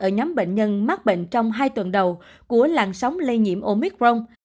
ở nhóm bệnh nhân mắc bệnh trong hai tuần đầu của làn sóng lây nhiễm omicron